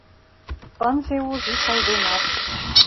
Ынже уж ик айдемат.